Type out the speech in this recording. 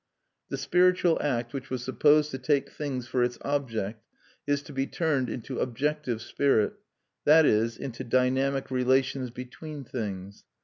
The spiritual act which was supposed to take things for its object is to be turned into "objective spirit," that is, into dynamic relations between things.